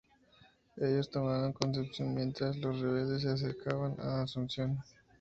Ellos tomaron Concepción mientras los rebeldes se acercaban a Asunción.